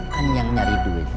kan yang nyari duitnya anak bapak